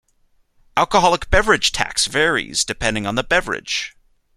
Alcoholic beverage tax varies depending on the beverage.